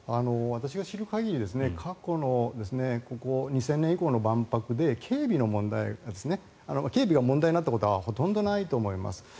私が知る限り過去の２０００年以降の万博で警備が問題になったことはほとんどないと思います。